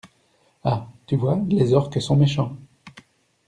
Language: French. Ha tu vois, les orques sont méchants.